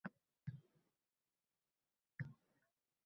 Ammo o`g`limni oldiga kirgizishmadi